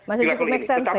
masih cukup make sense ya